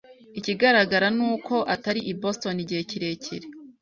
Ikigaragara ni uko atari i Boston igihe kirekire